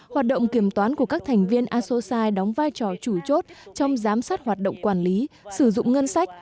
hoạt động kiểm toán của các thành viên asosci đóng vai trò chủ chốt trong giám sát hoạt động quản lý sử dụng ngân sách